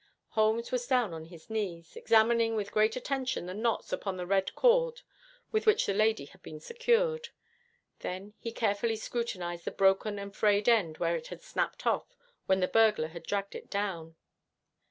Holmes was down on his knees, examining with great attention the knots upon the red cord with which the lady had been secured. Then he carefully scrutinized the broken and frayed end where it had snapped off when the burglar had dragged it down.